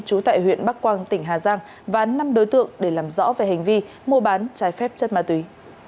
trú tại huyện bắc quang tỉnh hà giang và năm đối tượng để làm rõ về hành vi mua bán trái phép chất ma túy